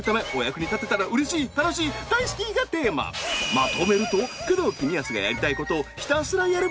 まとめると「工藤公康がやりたいことをひたすらやる」